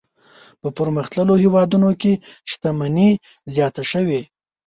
په پرمختللو هېوادونو کې شتمني زیاته شوې.